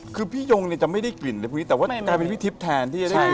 คือพี่ยงจะไม่ได้กลิ่นแต่ว่าแปลว่าเป็นพี่ทิศแทน